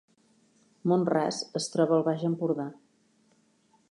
Mon-ras es troba al Baix Empordà